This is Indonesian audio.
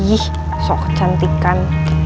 ih sok kecantikan